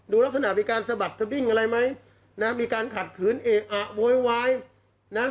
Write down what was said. ลักษณะมีการสะบัดสดิ้งอะไรไหมนะมีการขัดขืนเอะอะโวยวายนะ